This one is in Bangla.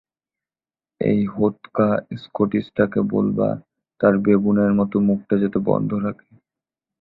এই হোৎকা স্কটিশ টাকে বলবা তার বেবুনের মত মুখটা যাতে বন্ধ রাখে।